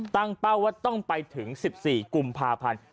เป้าว่าต้องไปถึง๑๔กุมภาพันธ์